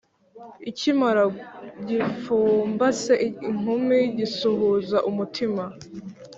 ikimara gipfumbase inkumi gisuhuza umutima.